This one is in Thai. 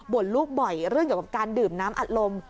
ลูกบ่อยเรื่องเกี่ยวกับการดื่มน้ำอัดลม